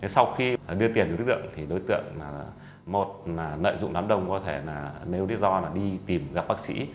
sau khi đưa tiền đến đối tượng thì đối tượng một nợ dụng đám đông có thể nếu lý do đi tìm gặp bác sĩ